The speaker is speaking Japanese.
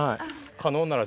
可能なら。